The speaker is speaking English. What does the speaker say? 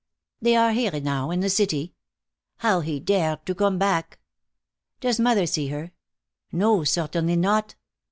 "They are here now, in the city. How he dared to come back!" "Does mother see her?" "No. Certainly not."